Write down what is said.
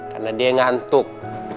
karena dia ngantuk